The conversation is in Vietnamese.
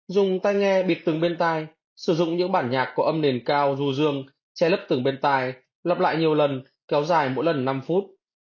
dùng tay nghe bịt từng bên tai sử dụng những bản nhạc có âm nền cao ru rương che lấp từng bên tai lặp lại nhiều lần kéo dài mỗi lần năm phút